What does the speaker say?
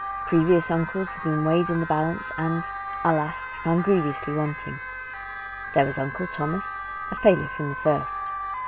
Previous uncles had been weighed in the balance, and alas! found grievously wanting. There was Uncle Thomas a failure from the first.